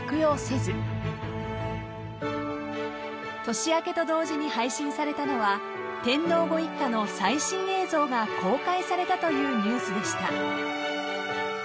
［年明けと同時に配信されたのは天皇ご一家の最新映像が公開されたというニュースでした］